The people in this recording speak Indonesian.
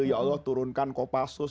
ya allah turunkan kopassus